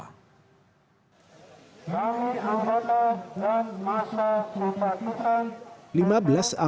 nama kepala dan masa perpacuan